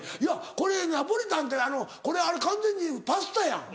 これナポリタンってこれ完全にパスタやん。